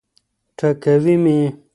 ټکوي مي.